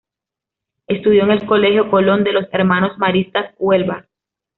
Estudió en el Colegio Colón, de los Hermanos Maristas, Huelva.